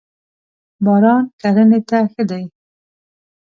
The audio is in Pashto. باران کرنی ته ښه دی.